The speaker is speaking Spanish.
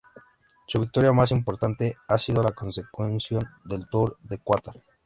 Su victoria más importante ha sido la consecución del Tour de Qatar.